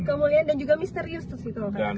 kemuliaan dan juga misterius terus itu kata kang